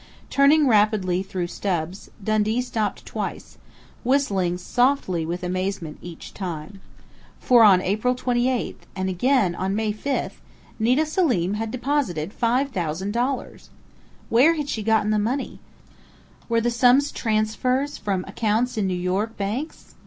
Turning rapidly through stubs, Dundee stopped twice, whistling softly with amazement each time. For on April 28th, and again on May 5th, Nita Selim had deposited $5,000! Where had she got the money? Were the sums transfers from accounts in New York banks?